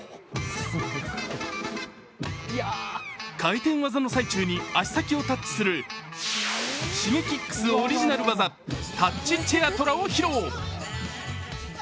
回転技の最中に足先をタッチするＳｈｉｇｅｋｉｘオリジナル技タッチチェアトラを披露。